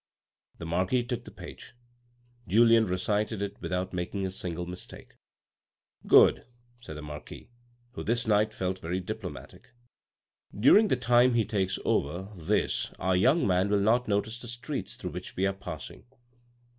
The marquis took the paper. Julien recited it without making a single mistake. " Good," said the marquis, who this night felt very diplomatic. " During the time he takes over this our young man will not notice the streets through which we are passing."